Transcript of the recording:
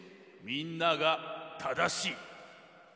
みんながただしい。